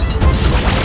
aku tidak mau